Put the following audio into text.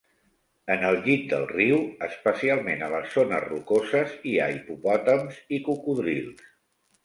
En el llit del riu, especialment a les zones rocoses, hi ha hipopòtams i cocodrils.